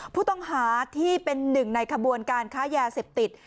ผู้ต้องหาที่เป็นหนึ่งในขบวนการค้ายาเสพติด